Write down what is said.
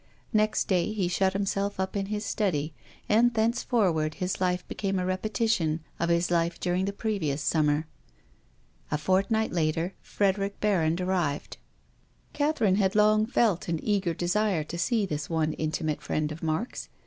Next day he shut himself up in his study, and thenceforward his life became a repetition of his life during the previous summer. A fortnight later Frederic Berrand arrived. Catherine had long felt an eager desire to see this one intimate friend of Mark's.